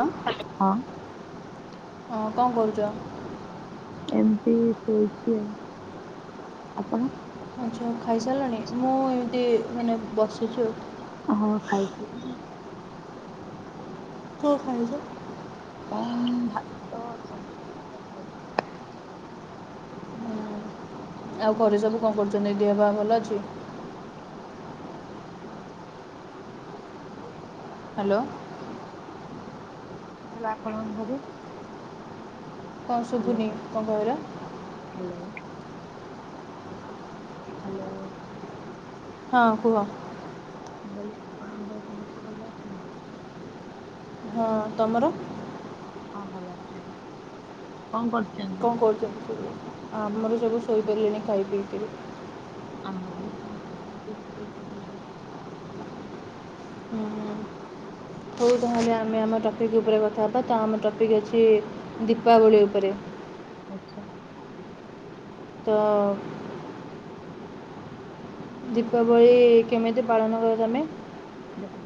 ଲ ହଁ ହଁ କଣ କରୁଚ। ଏମିତି ଶୋଇଚି ଆପଣ। ଆଚ୍ଛା ଖାଇସାରିଲଣି ମୁଁ ଏମିତି ମାନେ ବସିଛୁ ହଁ ଖାଇଥିଲି। ହୁଁ ଖାଇଛି। ଆଉ ଭାତ, ଶନ୍ତୁଳା, ଭଜା ହୁଁ [inaudible] ମୁଁ ଆଉ ଘରେ ସବୁ କଣ କରୁଛନ୍ତି ଦେହ ପାହା ଭଲ ଅଛି? [inaudible] ହାଲୋ। ହେଲେ ଆପଣଙ୍କ ଘରେ। କଣ ଶୁଭୁନି କଣ କହିଲ? ହାଲୋ। ହାଲୋ। ହଁ କୁହ? ମୁଁ କହିଲି ଆପଣଙ୍କ ଘରେ ସମସ୍ତେ ଭଲ ଅଛନ୍ତି? ହଁ ତମର? ହଁ ଭଲ ଅଛନ୍ତି, କଣ କରୁ କଣ କରୁଛନ୍ତି ସବୁ ଆମର ସବୁ ଶୋଇ ସାରିଲେଣି ଖାଇ ପିଇକିରି। ଆମର ବି ସମସ୍ତେ ଖାଇ ପିଇକି ଶୋଇ ପଡିଲେଣି। ହଉ ଆଚ୍ଛା ତାହେଲେ ଆମେ ଆମ ଟପିକ୍ ଉପରେ କଥାହବା। ତ ଆମ ଟପିକ୍ ଅଛି ଦୀପାବଳି ଉପରେ ଆଚ୍ଛା। ତ ତ ଦୀପାବଳି କେମିତି ପାଳନ କର ତମେ? ଦେଖା।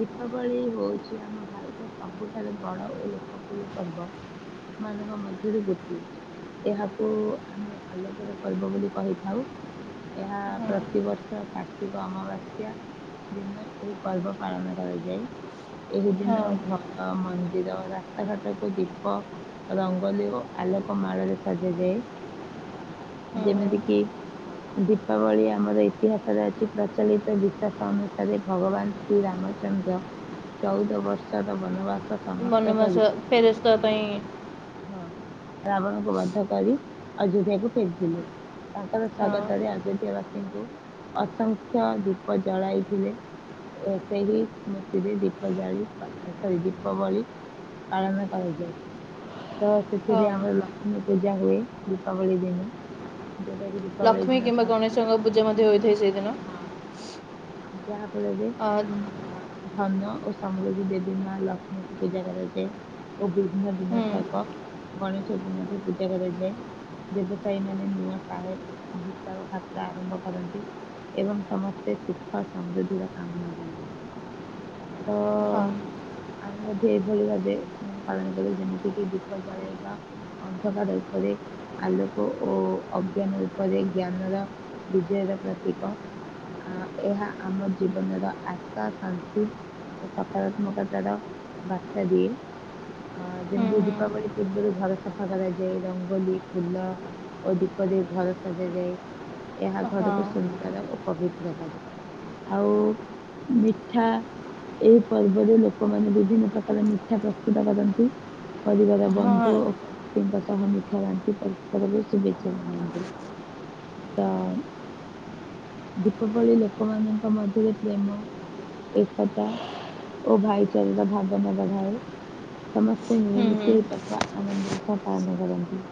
ଦୀପାବଳି ହେଉଛି ଆମ ଭାରତର ସବୁଠାରୁ ବଡ଼ ଓ ଲୋକପ୍ରିୟ ପର୍ବ। ମାନଙ୍କ ମଧ୍ୟରେ ଗୋଟିଏ। ଏହାକୁ ଆମେ ଆଲୋକର ପର୍ବ ବୋଲି କହିଥାଉ। ଏହା ପ୍ରତିବର୍ଷ କାର୍ତ୍ତିକ ଅମାବାସ୍ୟା ଦିନ ଏହି ପର୍ବ ପାଳନ କରାଯାଏ। ଏହି ହଁ ଦିନ ଘର ମନ୍ଦିର ରାସ୍ତାଘାଟକୁ ଦୀପ ରଙ୍ଗୋଲି ଓ ଆଲୋକ ମାଳରେ ସଜାଯାଏ ହଁ। ଯେମିତି କିି ଦୀପାବଳି ଆମର ଇତିହାସରେ ଅଛି ପ୍ରଚଳିତ ବିକାସ ଅନୁସା ଭଗବାନ ଶ୍ରୀ ରାମଚନ୍ଦ୍ର ଚଉଦ ବର୍ଷର ବନବାସ ସମାପ୍ତ କରି ବନବାସ ଫେରସ୍ତ୍ ହବା ପାଇଁ ହଁ, ରାବଣକୁ ବଧ କରି ଅଯୋଧ୍ୟାକୁ ଫେରିଥିଲେ। ତାଙ୍କର ହଁ ସ୍ଵାଗତରେ ଅଯୋଧ୍ୟାବାସୀଙ୍କୁ ଅସଂଖ୍ୟ ଦୀପ ଜଳାଇଥିଲେ। ଓ ସେହି ସ୍ମୃତିରେ ଦୀପ ଜାଳି ସରି ଦୀପବଳି ପାଳନ କରାଯାଏ। ତ ହଁ ସେଥିରେ ଆମର ଲକ୍ଷ୍ମୀ ପୂଜା ହୁଏ ଦୀପାବଳି ଦିନ ଯୋଉଟା କି ଦୀପାବଳି ଲକ୍ଷ୍ମୀ ଦିନ କିମ୍ବା ଧନ- ଗଣେଶଙ୍କ ପୂଜା ମଧ୍ୟ ହୋଇଥାଏ ସେଇଦିନ। ଯାହାଫଳରେ ହଁ ଅ ଧନ ଓ ସମୃଦ୍ଧି ଦେବୀ ମା ଲକ୍ଷ୍ମୀଙ୍କୁ ପୂଜା କରାଯାଏ। ଓ ବିଘ୍ନ ହଁ ବିନାଶକ ଗଣେଶଙ୍କୁ ମଧ୍ୟ ପୂଜା କରାଯାଏ। ବ୍ୟବସାୟୀ ମାନେ ନୂଆ ହିସାବ ଖାତା ଆରମ୍ଭ କରନ୍ତି। ଏବଂ ସମସ୍ତେ ସୁଖ ସୁଖ ସମୃଦ୍ଧିର କାମନା କରନ୍ତି ତ ଆମେ ମଧ୍ୟ ଏଭଳି ଭାବେ ମାନେ ପାଳନ କରୁ ଯେମିତିକି ଦୀପ ଜଳେଇବା ଅନ୍ଧକାର ଉପରେ ଆଲୋକ ଓ ଅଜ୍ଞାନ ଉପରେ ଜ୍ଞାନର ବିଜୟର ପ୍ରତୀକ ଆ ଏହା ଆମ ଜୀବନର ଆଶା ଶାନ୍ତି ଓ ସକାରାତ୍ମକ ତାର ବାର୍ତା ଦିଏ। ଅ ଯେମିତି ଦୀପାବଳି ପୂର୍ବରୁ ଘର ସଫା କରାଯାଏ ରଙ୍ଗୋଲି ଫୁଲ ଓ ଦୀପ ଦେଇ ଘର ସଜାଯାଏ ଏହା ହଁ ଘରକୁ ସୁନ୍ଦର ଓ ପବିତ୍ର କରେ। ଆଉ ମିଠା ଏଇ ପର୍ବରେ ଲୋକମାନେ ବିଭିନ୍ନ ପ୍ରକାର ମିଠା ପ୍ରସ୍ତୁତ କରନ୍ତି। ପରିବାର ହଁ ବନ୍ଧୁ ଓ ବ୍ୟକ୍ତିଙ୍କ ସହ ମିଠା ବାଣ୍ଟିରିପ ଶୁଭେଚ୍ଛା ଜଣାନ୍ତି। ତ ଦୀପାବଳି ଲୋକମାନଙ୍କ ମଧ୍ୟରେ ପ୍ରେମ ଏକତା ଓ ଭାଇଚାରାର ଭାବନା ବଢ଼ାଏ। ସମସ୍ତେ ହଁ ମିଳିମିଶି ଏହି ପର୍ବ ଆନନ୍ଦ ରୁପେ ପାଳନ କରନ୍ତି।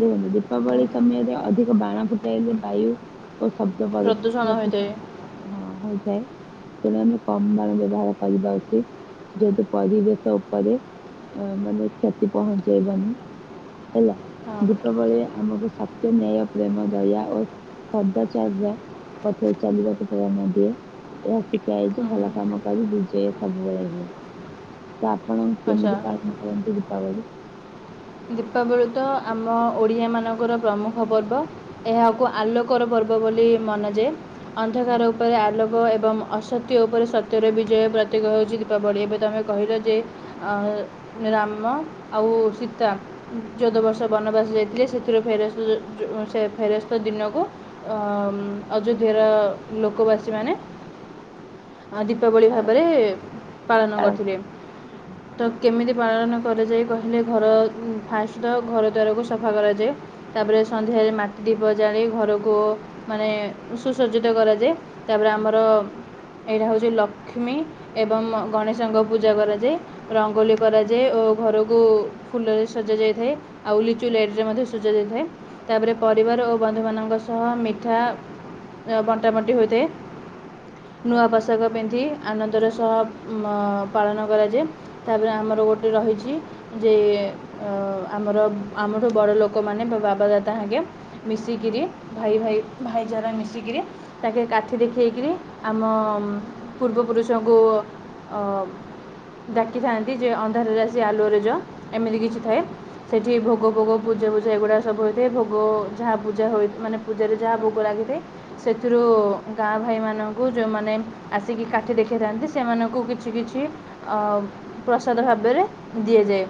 ଦେଖନ୍ତୁ ଦୀପାବଳି ସମୟରେ ଅଧିକ ବାଣ ଫୁଟାଇଲେ ବାୟୁ ଓ ଶବ୍ଦ ପ୍ରଦୁ ପ୍ରଦୂଷଣ ହୋଇଥାଏ ପ୍ରଦୂଷଣ ହଁ ହୋଇଥାଏ। ତେଣୁ ଆମେ କମ ବାଣ ବ୍ୟବହାର କରିବା ଉଚିତ। ଯେହେତୁ ପରିବେଶ ଉପରେ ଅ ମାନେ କ୍ଷତି ପହଞ୍ଚେଇବାନି ହେଲା ହଁ ଦୀପାବଳି ଆମକୁ ଶକ୍ତି, ନ୍ୟାୟ, ପ୍ରେମ, ଦୟା ଓ। [unintelligible] ଏହା ଶିଖାାଇଛି ଭଲ କାମ କରି ବିଜୟ ସବୁବେଳେ ହୁଏ। ତ ଆପଣ କେମିତି ଆଚ୍ଛା ପାଳନ କରନ୍ତି ଦୀପାବଳି? ଦୀପାବଳି ତ ଆମ ଓଡ଼ିଆ ମାନଙ୍କର ପ୍ରମୁଖ ପର୍ବ। ଏହାକୁ ଆଲୋକର ପର୍ବ ବୋଲି ମନାଯାଏ। ଅନ୍ଧକାର ଉପରେ ଆଲୋକ ଏବଂ ଅସ୍ ସତ୍ୟ ଉପରେ ସତ୍ୟର ବିଜୟ ପ୍ରତୀକ ହେଉଛି ଦୀପାବଳି ଏବେ ତୁମେ କହିଲ ଯେ ଆଉ ରାମ ଆଉ ସୀତା ଚଉଦ ବର୍ଷ ବନବାସ ଯାଇଥିଲେ ସେ ସେଥିରୁ ଫେରସ୍ତ ସେ ଫେରସ୍ତ ଦିନକୁ ଅ ଅଯୋଧ୍ୟାର ଲୋକବାସୀ ମାନେ ଆଦି ଦୀପାବଳି ପାଳନ ଭାବରେ ପାଳନ କରିଥିଲେ। ହୁଁ, ତ କେମିତି ପାଳନ କରାଯାଏ କହିଲେ ଘର ହୁଁ ଫାଷ୍ଟ ତ ଘର ଦ୍ୱାରକୁ ସଫା କରାଯାଏ। ତାପରେ ସନ୍ଧ୍ୟାରେ ମାଟି ଦୀପ ଜାଳି ଘରକୁ ମାନେ ସୁସଜ୍ଜିତ କରାଯାଏ। ତାପରେ ହୁଁ, ଆମର ଏଇଟା ହେଉଛି ଲକ୍ଷ୍ମୀ ଏବଂ ଗଣେଶଙ୍କ ପୂଜା କରାଯାଏ। ରଙ୍ଗୋଲି କରାଯାଏ ଓ ଘରକୁ ଫୁଲରେ ସଜା ଯାଇଥାଏ ଆଉ ଲିଚୁ ଆଚ୍ଛା, ଲାଇଟରେ ମଧ୍ୟ ସଜା ଯାଇଥାଏ ତାପରେ ଆଚ୍ଛା। ପରିବାର ଓ ବନ୍ଧୁମାନଙ୍କ ସହ ମିଠା ଅ ବଣ୍ଟା ବଣ୍ଟି ହୋଇଥାଏ ନୂଆ ଆଚ୍ଛା ପୋଷାକ ବେନ୍ଧି ଆନନ୍ଦର ସହ ମ ପାଳନ କରାଯାଏ। ତାପରେ ଆମର ଗୋଟେ ରହିଛି ଯେ ଅ ଆମର ଆମଠୁ ବଡ ଲୋକମାନେ ବା ବାବା ଦାଦା ଆଜ୍ଞା ମିଶିକିରି ଭାଇ ଭାଇ ଭାଇ ଚାରା ମିଶିକିରି ତାକେ କାଠି ଦେଖେଇକରି ଆମ ପୂର୍ବପୁରୁଷଙ୍କୁ ଅ ଡାକିଥାନ୍ତି ଯେ ଅନ୍ଧାରରେ ଆସି ଆଲୋଅରେ ଜୋ ଏମିତି କିଛି ଥାଏ। ସେଇଠି ଭୋଗ ଭୋଗ ପୂଜା ଫୂଜା ଏଗୁଡ଼ା ସବୁ ହୋଇଥାଏ ଭୋଗ ଯାହା ପୂଜା ହୋଇ ମାନେ ପୂଜାରେ ଯାହା ଭୋଗ ଲାଗିଥାଏ। ସେଥିରୁ ଗାଁ ଭାଇମାନଙ୍କୁ ଯେଉଁମାନେ ଆସିକି କାଠି ଦେଖିଥାନ୍ତି ସେମାନଙ୍କୁ କିଛି କିଛି ଅପ୍ ପ୍ରସାଦ ଭାବରେ ଦିଆଯାଏ।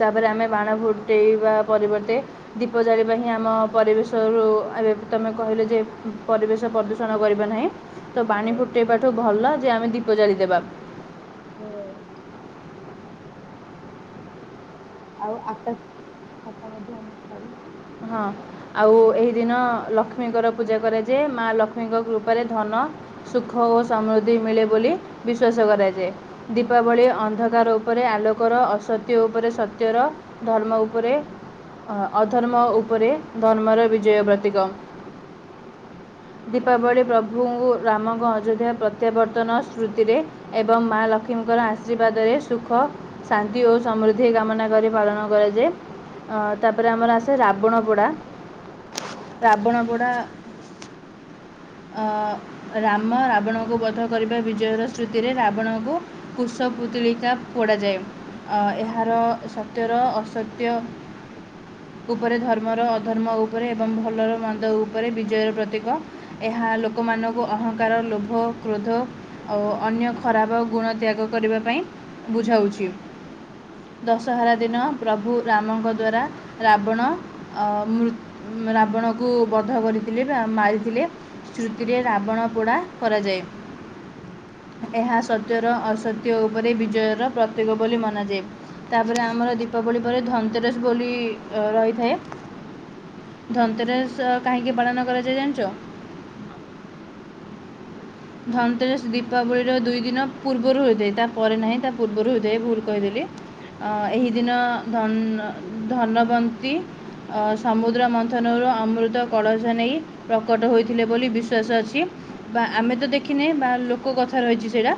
ତାପରେ ଆମେ ବାଣ ଫୁଟେଇବା ପରିବର୍ତ୍ତେ ଦୀପ ଜାଳିବା ହିଁ ଆମ ପରିବେଶରୁ ଏବେ ତମେ କହିଲେ ଯେ ପରିବେଶ ପଦୁ ଶଣ କରିବା ନାହିଁ ତ ବାଣୀ ଫୁଟେଇବାଠୁ ଭଲ ଯେ ଆମେ ଦୀପ ଜାଳି ଦେବା। ହଁ। ଆଉ ଆକାଶ ଛତା ମଧ୍ୟ ଆମେ ଛାଡ଼ୁ। ହଁ ଆଉ ଏହି ଦିନ ଲକ୍ଷ କ୍ଷ୍ମୀଙ୍କର ପୂଜା କରାଯାଏ ମା ଲକ୍ଷ୍ମୀଙ୍କ କୃପାରେ ଧନ ସୁଖ ଓ ସମୃଦ୍ଧି ମିଳେ ବୋଲି ବିଶ୍ଵାସ କରାଯାଏ। ଦୀପାବଳୀ ଅନ୍ଧକାର ଉପରେ ଆଲୋକର ଅସତ୍ୟ ଉପରେ ସତ୍ୟର ଧର୍ମ ଉପରେ ଅ-ଅଧର୍ମ ଅଧର୍ମ ଉପରେ ଧର୍ମର ବିଜୟ ପ୍ରତୀକ। ଦୀପାବଳି ପ୍ରଭୁଙ୍କୁ ରାମଙ୍କ ଅଯୋଧ୍ୟା ପ୍ରତ୍ୟାବର୍ତ୍ତନ ସ୍ମୃତିରେ ଏବଂ ମା ଲକ୍ଷ୍ମୀଙ୍କର ଆଶୀର୍ବାଦ ରେ ସୁଖ ଶାନ୍ତି ଓ ସମୃଦ୍ଧି କାମନା କରି ପାଳନ କରାଯାଏ ଅ- ତାପରେ ଆମର ଆସି ସେ ରାବଣପୋଡା- ରାବଣପୋଡା ଅ- ରାମ ରାବଣଙ୍କୁ ବଧ କରିବା ବିଜୟର ସ୍ରୁତୀ ରେ ରାବଣକୁ କୁଷ ପୁତୁଳିକା ପୋଡାଯାଏ ଅ- ଏହାର ସତ୍ୟର ଅସତ୍ୟ ଉପରେ ଧର୍ମର ଅଧର୍ମ ଉପରେ ଏବଂ ଭଲର ମନ୍ଦ ଉପରେ ବିଜୟର ପ୍ରତୀକ ଏହା ଲୋକମାନଙ୍କୁ ଅହଙ୍କାର, ଲୋଭ, କ୍ରୋଧ ଆଉ ଅନ୍ୟ ଖରାପ ଗୁଣ ତ୍ୟାଗ କରିବା ପାଇଁ ବୁଝାଉଚି। ଦଶହରା ଦିନ ପ୍ରଭୁ ରାମଙ୍କ ଦ୍ଵାରା ରାବଣ ଅ-ମୃ- ରାବଣକୁ ବଧ କରିଥିଲେ ବା ମାରିଥିଲେ। ଶ୍ରୁତିରେ ରାବଣ ପୋଡା କରାଯାଏ। ଏହା ସତ୍ୟର ଅସତ୍ୟ ଉପରେ ବିଜୟର ପ୍ରତୀକ ବୋଲି ମନାଯାଏ। ତାପରେ ଆମର ଦୀପାବଳି ପରେ ଧନତେରସ୍ ବୋଲି ଅ -ରହିଥାଏ। ଆଚ୍ଛା ଧନତେରସ୍ କାହିଁକି ପାଳନ କରାଯାଏ ଜାଣିଚ? ନା। ଧନତେରସ୍ ଦୀପାବଳିର ଦୁଇ ଦିନ ପୂର୍ବରୁ ହୋଇଥାଏ ତାପରେ ନାହିଁ ତା ପୂର୍ବରୁ ହୋଇଥାଏ ଭୁଲ୍ କହିଦେଲି। ଅ ଆଚ୍ଛା -ଏହି ଦିନ ଧନ୍- ଧନବନ୍ତୀ ଅ- ସମୁଦ୍ର ମନ୍ଥନରୁ ଅମୃତ କଳସ ନେଇ ପ୍ରକଟ ହୋଇଥିଲେ ବୋଲି ବିଶ୍ୱାସ ଅଛି ବା ଆମେ ତ ଦେଖିନେ ବା ଲୋକ କଥା ରହିଚି ସେଟା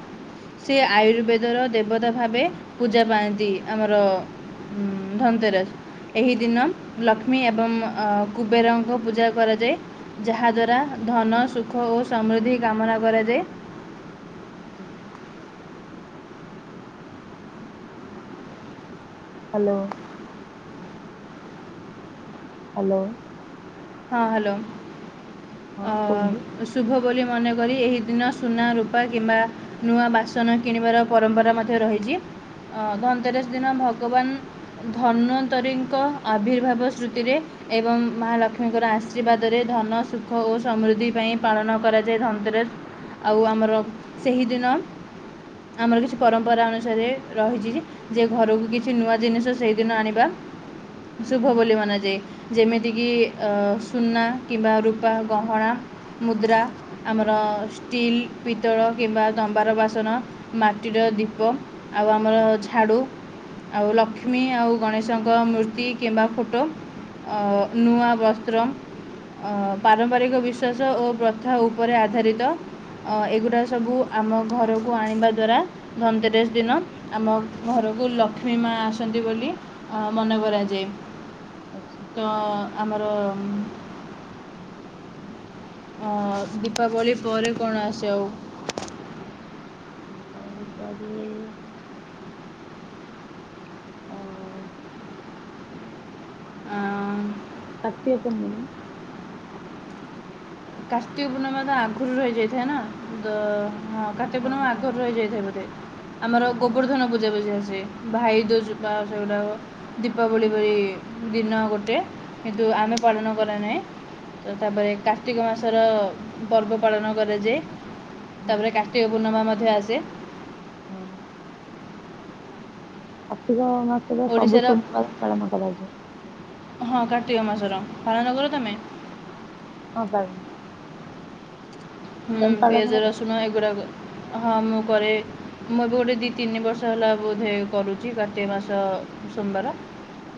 ସେ ଆୟୁର୍ବେଦର ଦେ ଦେବତା ଭାବେ ପୂଜା ପାଆନ୍ତି ଆମର ଧନତେରସ୍।। ଏହି ଦିନ ଲକ୍ଷ୍ମୀ ଏବଂ ଅ- କୁବେରଙ୍କ ପୂଜା କରାଯାଏ। ଯାହାଦ୍ୱାରା ଧନ, ସୁଖ ଓ ସମୃଦ୍ଧି କାମନା କରାଯାଏ। ଆଚ୍ଛା। ହାଲୋ। ହାଲୋ। ହଁ ହାଲୋ ହଁ କୁହନ୍ତୁ ଅ-ସୁ ଶୁଭ ବୋଲି ମନେକରି ଏହି ଦିନ ସୁନା, ରୂପା କିମ୍ବା ନୂଆ ବାସନ କିଣିବାର ପରମ୍ପରା ମଧ୍ୟ ରହିଚି। ଅ- ହୁଁ ଧନତେରସ୍ ଦିନ ଭଗବାନ୍ ଧନ୍ୱନ୍ତରୀଙ୍କ ଆବିର୍ଭାବ ସ୍ମୃତିରେ ଏବଂ ମାଲକ୍ଷ୍ ଲକ୍ଷ୍ମୀଙ୍କର ଆଶୀର୍ବାଦରେ ଧନ ସୁଖ ଓ ସମୃଦ୍ଧି ପାଇଁ ପାଳନ କରାଯାଏ ଧନତେରସ୍। ଆଉ ଆମର ସେହିଦିନ ଆମର କିଛି ପରମ୍ପରା ଅନୁସାରେ ରହିଚି ଯେ ଯେ ଘରୁକୁ କିଛି ନୂଆ ଜିନିଷ ସେଇଦିନ ଆଣିବା। ଶୁଭ ହୁଁ। ବୋଲି ମନାଯାଏ ଯେମିତି କିି ଅ-ସୁନା କିମ୍ବା ରୂପା, ଗହଣା, ମୁଦ୍ରା ଆଚ୍ଛା ଆମର ଷ୍ଟିଲ୍, ପିତଳ କିମ୍ବା ତମ୍ବାର ବାସନ ମାଟିର ଦୀପ ଆଉ ଆମର ଝାଡୁ ଆଉ ହଁ ଲକ୍ଷ୍ମୀ ଆଉ ଗଣେଶଙ୍କ ମୂର୍ତ୍ତି କିମ୍ବା ଫଟୋ ଅ- ନୂଆ ବସ୍ତ୍ରମ୍ ପାରମ୍ପରିକ ବିଶ୍ୱାସ ଓ ପ୍ରଥା ଉପରେ ଆଧାରିତ ଅ- ହଁ ଏଗୁରା ସବୁ ଆମ ଘରକୁ ଆଣିବା ଦ୍ଵାରା ଧନତେରସ୍ ଦିନ ଆମ ଘରକୁ ଲକ୍ଷ୍ମୀ ମା ଆସନ୍ତି ବୋଲି ଅ-ମନେ କରାଯାଏ। ଆଚ୍ଛା। ତ ଆମର ଅ ଦୀପାବଳି ପରେ କଣ ଆସେ ଆଉ? ଦୀପାବଳି ପରେ ଅ ଆଁ କାର୍ତିକ ପୁର୍ଣିମା। କାର୍ତ୍ତିକ ପୂର୍ଣ୍ଣିମା ତ ଆଗରୁ ରହିଯାଇଥାଏ ନା? କାର୍ତ୍ତିକ ହଁ ପୂର୍ଣ୍ଣିମା ହଁ ଆଗରୁ ହଁ ରହିଯାଇଥାଏ ବୋଧେ ଆମର ଗୋବର୍ଦ୍ଧନ ପୂଜା [unintelligible] ଭାଇଦୋଜ ବା ସେଗୁଡ଼ାକ ଦୀପାବଳି ଭଳି ଦିନ ଗୋଟେ କିନ୍ତୁ ଆମେ ହଁ। ପାଳନ କରେ ନାହିଁ ତ ତାପରେ କା କାର୍ତ୍ତିକ ମାସର ପର୍ବ ପାଳନ କରାଯାଏ ହଁ ହଁ ତାପରେ କାର୍ତ୍ତିକ ପୂର୍ଣ୍ଣିମା ମଧ୍ୟ ଆସେ ହଁ। କାର୍ତ୍ତିକ ମାସର ସବୁ ଓଡ଼ିଶାର ସୋମବାର ପାଳନ କରାଯାଏ। ହଁ କାର୍ତ୍ତିକ ମାସର ପାଳନ କର ତମେ? ହଁ ପା ହୁଁ ପାଳନ ପିଆଜ କର? ରସୁନ ଏଗୁଡା ହଁ ମୁ କରେ। ମୁଁ ଏବେ ଗୋଟେ ଦି ତିନି ବର୍ଷ ହେଲା ବୋଧେ କରୁଚି କାର୍ତ୍ତିକ ମାସ ସୋମବାର।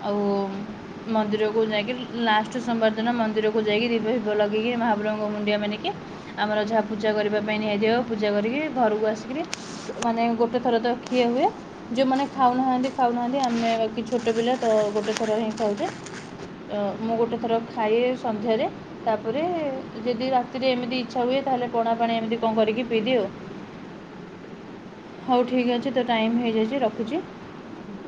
ଆଉ ନାଇଁ ମନ୍ଦିରକୁ ଯାଇକି। ଲାଷ୍ଟ ସୋମବାର ଦିନ ମନ୍ଦିରକୁ ଯାଇକି ଦୀପ ଫିପ୍ ଲଗେଇକି ମହାପ୍ରଭୁଙ୍କୁ ମୁଣ୍ଡିଆ ମାରିକି ଆମର ଯାହା ପୂଜା କରିବା ପାଇଁ ନିଆ ହେଇଥିବ ପୂଜା କରିକି ଘରକୁ ଆସିକିରି ମାନେ ଗୋଟେ ଥର ତ ଖିଆ ହୁଏ। ଯୋଉମାନେ ଖାଉନାହାନ୍ତି ଖାଉନାହାନ୍ତି ଆମେ ବାକିି ଛୋଟ ପିଲା ତ ଗୋଟେ ଥର ହିଁ ଖାଆନ୍ତି। ଅ ମୁଁ ଗୋଟେ ଥର ଖାଏ ସନ୍ଧ୍ୟାରେ। ତାପରେ ଯଦି ରାତିରେ ଏମିତି ଇଛା ହୁଏ ତାହେଲେ ପଣା ପାଣି ଏମିତି କଣ କରିକି ପିଦିଏ ଉ। ହଉ ଠିକ୍ ଅଛି ତ ଟାଇମ୍ ହେଇଯାଇଚି ରଖୁଚି। ହୁଁ।